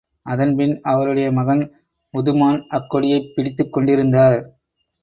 அதன்பின், அவருடைய மகன் உதுமான் அக்கொடியைப் பிடித்துக் கொண்டிருந்தார்.